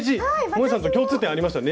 もえさんと共通点ありましたよ